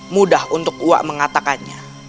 mudah untuk uak mengatakannya